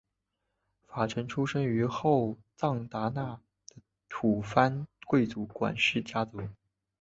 法成出生于后藏达那的吐蕃贵族管氏家族。